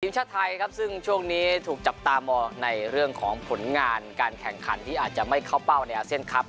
ทีมชาติไทยครับซึ่งช่วงนี้ถูกจับตามองในเรื่องของผลงานการแข่งขันที่อาจจะไม่เข้าเป้าในอาเซียนครับ